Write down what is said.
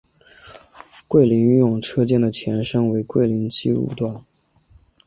桂林运用车间的前身为桂林机务段。